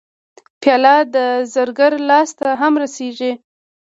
پیاله د زرګر لاس ته هم رسېږي.